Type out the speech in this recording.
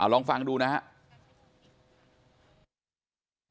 ลองฟังดูนะครับ